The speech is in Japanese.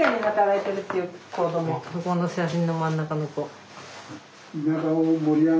そこの写真の真ん中の子。